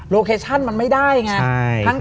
เคชั่นมันไม่ได้ไง